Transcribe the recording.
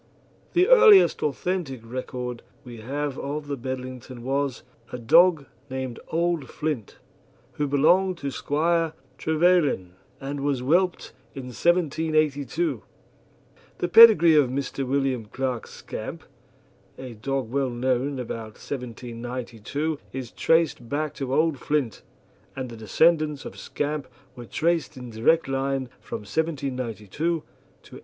The earliest authentic record we have of the Bedlington was a dog named Old Flint, who belonged to Squire Trevelyan, and was whelped in 1782. The pedigree of Mr. William Clark's Scamp, a dog well known about 1792, is traced back to Old Flint, and the descendants of Scamp were traced in direct line from 1792 to 1873.